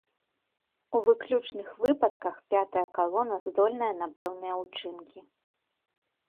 У выключных выпадках пятая калона здольная на пэўныя ўчынкі.